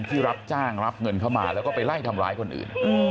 ที่รับจ้างรับเงินเข้ามาแล้วก็ไปไล่ทำร้ายคนอื่น